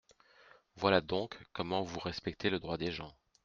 Voilà donc comment vous respectez le droit des gens !